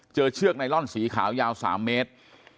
เชือกไนลอนสีขาวยาว๓เมตร